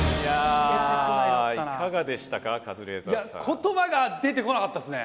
言葉が出てこなかったっすね！